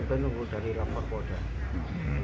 tidak ada yang enggak karena sekarang di polisian